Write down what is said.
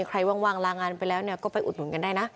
ใครว่างลางานไปแล้วก็ไปอุดหนุนกันได้นะ